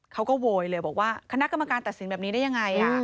โวยเลยบอกว่าคณะกรรมการตัดสินแบบนี้ได้ยังไง